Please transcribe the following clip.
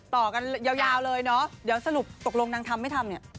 ต่อกันยาวเลยเนาะเดี๋ยวสรุปตกลงนางทำไม่ทำเนี่ย